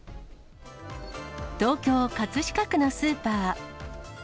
東京・葛飾区のスーパー。